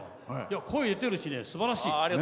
声、出てるし、すばらしい。